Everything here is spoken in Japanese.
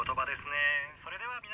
それでは皆さん」。